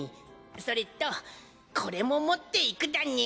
それとこれも持っていくだに。